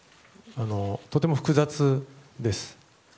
とても複雑です。